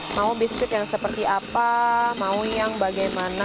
mau biskuit yang seperti apa mau yang bagaimana